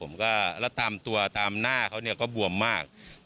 แล้วตามตัวตามหน้าเขาก็บวมมาก